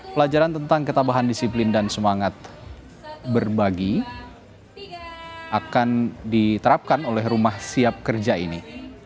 pelajaran tentang ketabahan disiplin dan semangat berbagi akan diterapkan oleh rumah siap kerja ini